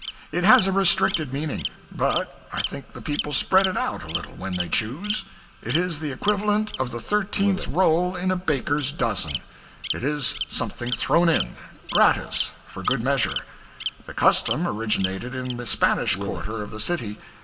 It has a restricted meaning, but I think the people spread it out a little when they choose. It is the equivalent of the thirteenth roll in a 'baker's dozen.' It is something thrown in, gratis, for good measure. The custom originated in the Spanish quarter of the city.